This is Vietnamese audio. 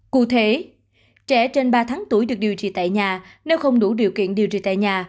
cụ thể trẻ trên ba tháng tuổi được điều trị tại nhà nếu không đủ điều kiện điều trị tại nhà